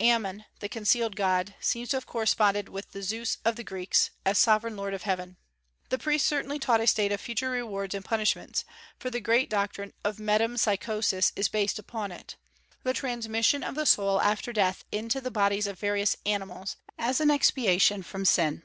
Ammon, the concealed god, seems to have corresponded with the Zeus of the Greeks, as Sovereign Lord of Heaven. The priests certainly taught a state of future rewards and punishments, for the great doctrine of metempsychosis is based upon it, the transmission of the soul after death into the bodies of various animals as an expiation for sin.